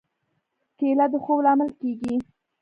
کېله د خوب لامل کېږي.